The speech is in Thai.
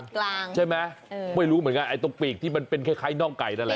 กลางใช่ไหมไม่รู้เหมือนกันไอ้ตรงปีกที่มันเป็นคล้ายน่องไก่นั่นแหละ